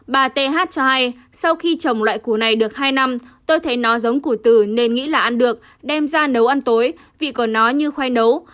bà t h cho hay sau khi trồng loại củ này được hai năm tôi thấy nó giống củ tử nên nghĩ là ăn được đem ra nấu ăn tối vị của nó như khoai nấu